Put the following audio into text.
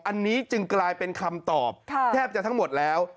อันนี้จึงกลายเป็นคำตอบแทบจะทั้งหมดแล้ว